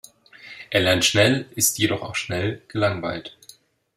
Er lernt schnell, ist jedoch auch schnell gelangweilt.